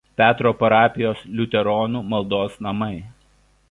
Petro parapijos liuteronų maldos namai.